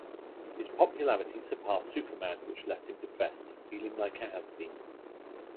His popularity surpassed Superman which left him depressed, feeling like a has-been.